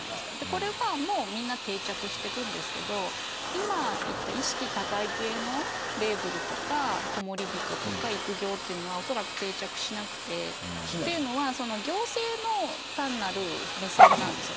これはもう、みんな定着していくんですが今言った意識高い系のレイブルとか、こもりびととか育業というのはおそらく定着しなくて。というのは行政の単なる目線なんです。